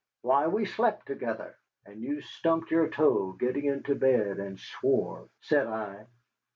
Why, we slept together." "And you stumped your toe getting into bed and swore," said I.